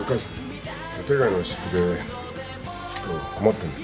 予定外の出費でちょっと困ってんだ。